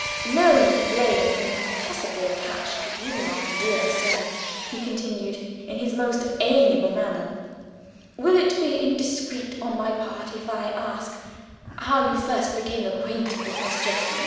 "No blame can possibly attach to you, my dear sir," he continued, in his most amiable manner. "Will it be indiscreet, on my part, if I ask how you first became acquainted with Miss Jethro?"